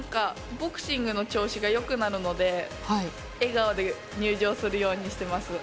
ボクシングの調子が良くなるので笑顔で入場するようにしています。